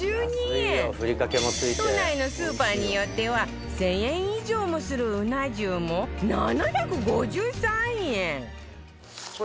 都内のスーパーによっては１０００円以上もするうな重も７５３円